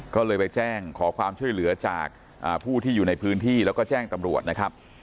ก็เลยไปแจ้งขอความช่วยเหลือจากผู้ที่อยู่ในพื้นที่แล้วก็แจ้งตำรวจนะครับ